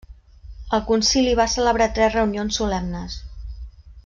El concili va celebrar tres reunions solemnes.